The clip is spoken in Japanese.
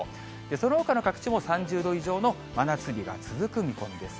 そのほかの各地も３０度以上の真夏日が続く見込みです。